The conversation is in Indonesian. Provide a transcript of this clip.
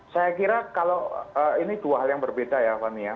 saya kira kalau ini dua hal yang berbeda ya fani ya